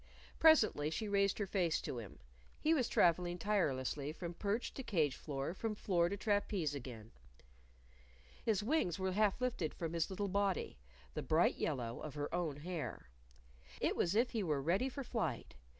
Presently she raised her face to him. He was traveling tirelessly from perch to cage floor, from floor to trapeze again. His wings were half lifted from his little body the bright yellow of her own hair. It was as if he were ready for flight.